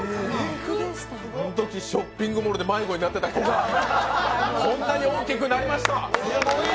あのときショッピングモールで迷子になってた子がこんなに大きくなりました！